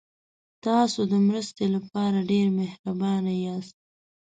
تاسو د مرستې لپاره ډېر مهربانه یاست.